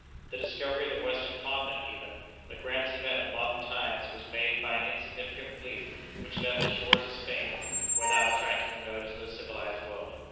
The discovery of the Western continent even, the grandest event of modern times, was made by an insignificant fleet which left the shores of Spain without attracting the notice of the civilized world.